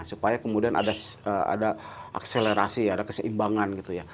supaya kemudian ada akselerasi ada keseimbangan gitu ya